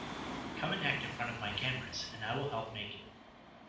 Come and act in front of my cameras, and I will help make it.